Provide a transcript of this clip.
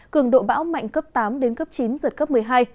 cường độ bão mạnh cấp tám đến cấp chín giật cấp một mươi hai